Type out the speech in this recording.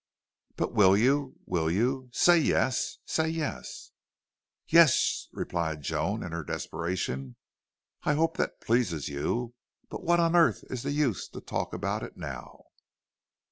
"But will you will you? Say yes! Say yes!" "YES!" replied Joan in her desperation. "I hope that pleases you. But what on earth is the use to talk about it now?"